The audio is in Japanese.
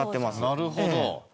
なるほど。